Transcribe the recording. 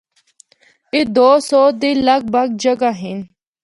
اے دو سو دے لگ بھک جھگیاں ہن۔